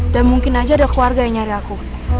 dan mungkin aja ada keluarga yang nyari aku